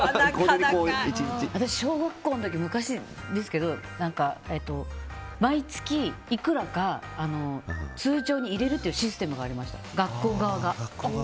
私、小学校の時、昔ですけど毎月いくらか通帳に入れるというシステムがありました。